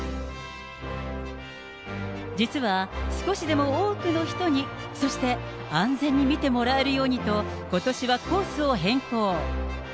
実は、少しでも多くの人に、そして安全に見てもらえるようにと、ことしはコースを変更。